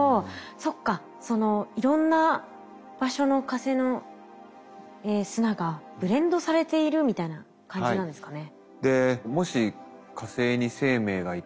そっかそのいろんな場所の火星の砂がブレンドされているみたいな感じなんですかね。